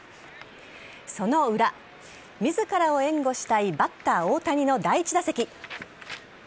その裏、自らを援護したいバッター・大谷の第１打席。